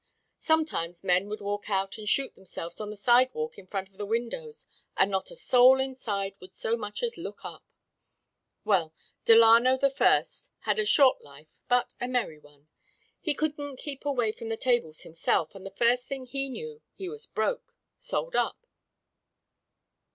"Sometimes men would walk out and shoot themselves on the sidewalk in front of the windows, and not a soul inside would so much as look up. Well, Delano the first had a short life but a merry one. He couldn't keep away from the tables himself, and first thing he knew he was broke, sold up.